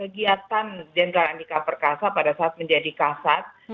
pak jokowi juga memantau kegiatan jenderal andika perkasa pada saat menjadi kasat